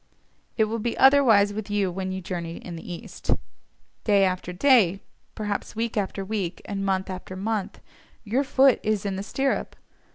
It will be otherwise with you when you journey in the East. Day after day, perhaps week after week and month after month, your foot is in the stirrup.